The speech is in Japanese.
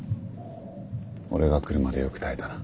俺が来るまでよく耐えたな。